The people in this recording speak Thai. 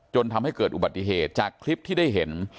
จนทำให้เกิดอุบัติเหตุจากคลิปที่ได้เห็น